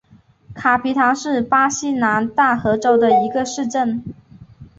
卡皮唐是巴西南大河州的一个市镇。